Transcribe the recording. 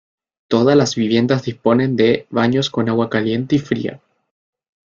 Todas las viviendas disponen de baños con agua caliente y fría.